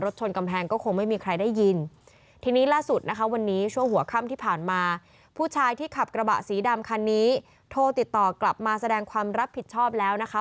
แสดงความรับผิดชอบแล้วนะคะ